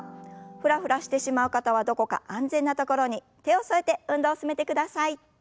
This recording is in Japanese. フラフラしてしまう方はどこか安全な所に手を添えて運動を進めてください。